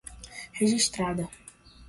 registrada